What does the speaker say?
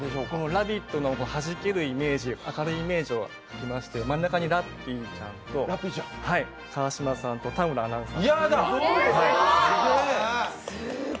「ラヴィット！」のはじけるイメージ明るいイメージを受けまして真ん中にラッピーちゃんと川島さんと田村アナウンサー。